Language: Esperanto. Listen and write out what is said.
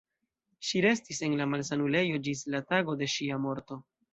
Ŝi restis en la malsanulejo ĝis la tago de ŝia morto.